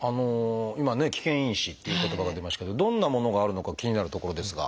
今ね「危険因子」っていう言葉が出ましたけどどんなものがあるのか気になるところですが。